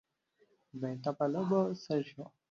بېرته په لوبو سر شو.